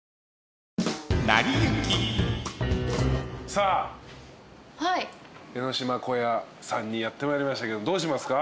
さあ江ノ島小屋さんにやってまいりましたけどどうしますか？